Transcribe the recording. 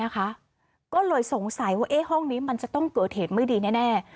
ก็เลยสงสัยว่าห้องนี้มันจะต้องเกิดเหตุไม่ดีแน่